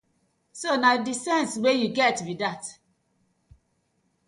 So na dey sence wey yu get bi dat.